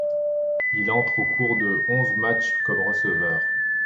Il entre au cours de onze matchs comme receveur.